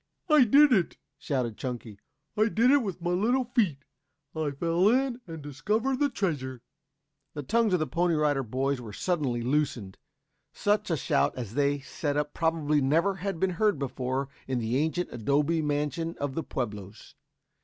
"I did it!" shouted Chunky. "I did it with my little feet! I fell in and discovered the treasure!" The tongues of the Pony Rider Boys were suddenly loosened. Such a shout as they set up probably never had been heard before in the ancient adobe mansion of the Pueblos.